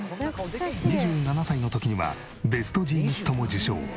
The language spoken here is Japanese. ２７歳の時にはベストジーニストも受賞。